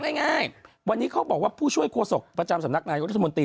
ง่ายวันนี้เขาบอกว่าผู้ช่วยโฆษกประจำสำนักนายกรัฐมนตรี